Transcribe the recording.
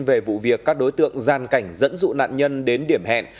về vụ việc các đối tượng gian cảnh dẫn dụ nạn nhân đến điểm hẹn